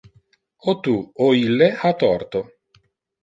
O tu o ille ha torto.